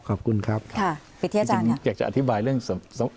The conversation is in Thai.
ขอบคุณครับค่ะพิธีอาจารย์ครับผมอยากจะอธิบายเรื่องสำ